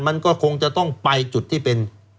มันก็คงจะต้องไปจุดที่เป็น